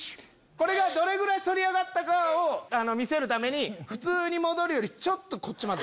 これがどれぐらい反り上がったかを見せるために普通に戻るよりちょっとこっちまで。